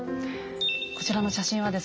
こちらの写真はですね